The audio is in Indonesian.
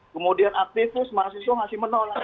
kemudian aktivis mahasiswa masih menolak